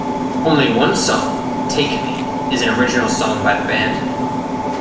Only one song, "Take Me", is an original song by the band.